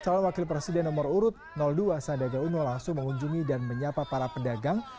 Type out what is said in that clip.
calon wakil presiden nomor urut dua sandiaga uno langsung mengunjungi dan menyapa para pedagang